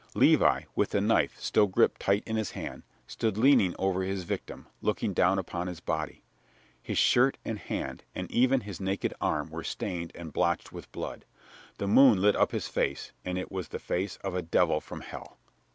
Levi, with the knife still gripped tight in his hand, stood leaning over his victim, looking down upon his body. His shirt and hand, and even his naked arm, were stained and blotched with blood. The moon lit up his face and it was the face of a devil from hell.